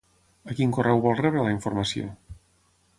A quin correu vol rebre la informació?